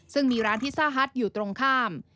ซึ่งมีร้านพิซซ่าฮัทอยู่ตรงข้าม